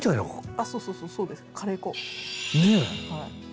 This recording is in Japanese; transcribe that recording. あそうそうそうですカレー粉。ね！